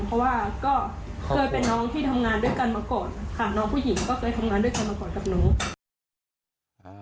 เพราะว่าก็เคยเป็นน้องที่ทำงานด้วยกันมาก่อนค่ะน้องผู้หญิงก็เคยทำงานด้วยกันมาก่อนกับหนู